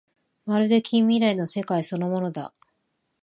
まるで近未来の世界そのものだ